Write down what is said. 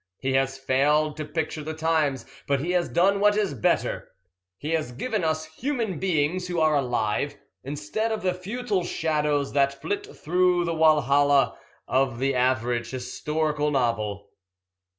He has failed to picture the times, but he has done what is better he has given us human beings who are alive, instead of the futile shadows that flit through the Walhalla of the average historical novel."